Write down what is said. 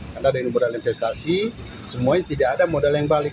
karena ada modal investasi semuanya tidak ada modal yang balik